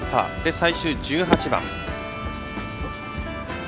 最終１８番。